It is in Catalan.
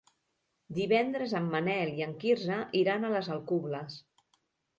Divendres en Manel i en Quirze iran a les Alcubles.